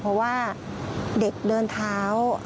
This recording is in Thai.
เพราะว่าเด็กเดินเท้า